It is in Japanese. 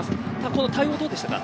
この対応どうでしたか。